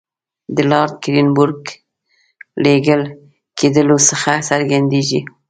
د لارډ کرېنبروک لېږل کېدلو څخه څرګندېږي.